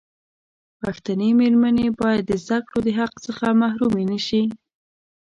پښتنې مېرمنې باید د زدکړو دحق څخه محرومي نشي.